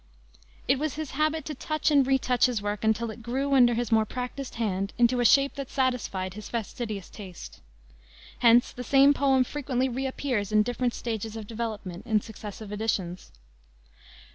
It was his habit to touch and retouch his work until it grew under his more practiced hand into a shape that satisfied his fastidious taste. Hence the same poem frequently reappears in different stages of development in successive editions.